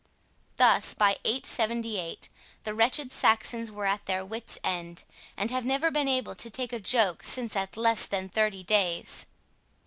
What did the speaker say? Thus, by 878, the wretched Saxons were at their wit's end, and have never been able to take a joke since at less than thirty days.